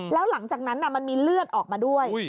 แล้วหลังจากนั้นมันมีเลือดออกมาด้วย